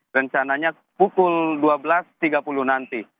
rencananya pukul dua belas tiga puluh nanti